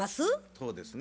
そうですね。